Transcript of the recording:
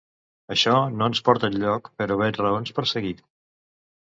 Això no ens porta enlloc però veig raons per seguir.